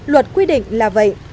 luật quy định là vậy